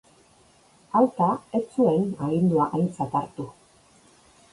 Alta, ez zuen agindua aintzat hartu.